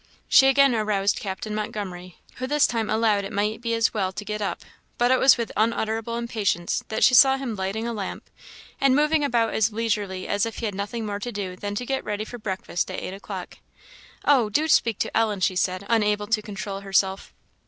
She again aroused Captain Montgomery, who this time allowed it might be as well to get up; but it was with unutterable impatience that she saw him lighting a lamp, and moving about as leisurely as if he had nothing more to do than to get ready for breakfast at eight o'clock. "Oh! do speak to Ellen!" she said, unable to control herself.